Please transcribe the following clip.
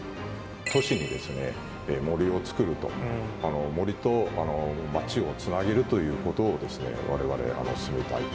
都市に森をつくると、森と街をつなげるということをですね、われわれ、進めたいと。